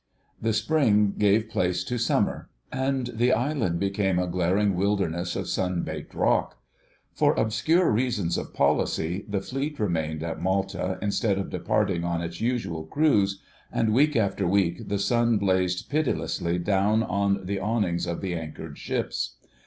The spring gave place to summer, and the island became a glaring wilderness of sun baked rock. For obscure reasons of policy the Fleet remained at Malta instead of departing on its usual cruise, and week after week the sun blazed pitilessly down on the awnings of the anchored ships.